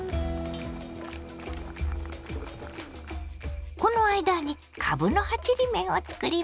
この間にかぶの葉ちりめんをつくりましょ。